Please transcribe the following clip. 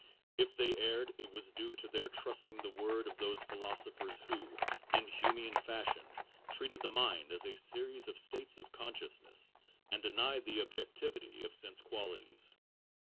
If they erred, it was due to their trusting the word of those philosophers who, in Humian fashion, treated the mind as a series of states of consciousness and denied the objectivity of sense qualities.